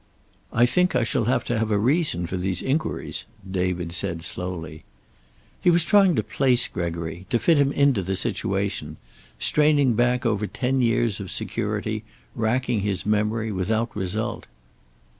"I think I shall have to have a reason for these inquiries," David said slowly. He was trying to place Gregory, to fit him into the situation; straining back over ten years of security, racking his memory, without result.